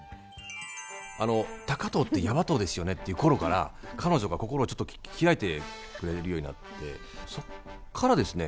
高藤ってヤバ藤ですよねっていうころから彼女が心をちょっと開いてくれるようになってそこからですよね